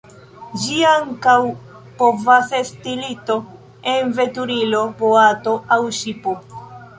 Ĝi ankaŭ povas esti lito en veturilo, boato aŭ ŝipo.